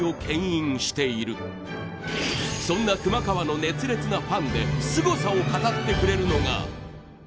そんな熊川の熱烈なファンですごさを語ってくれるのが。